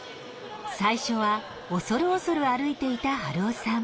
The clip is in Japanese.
最初は恐る恐る歩いていた春雄さん。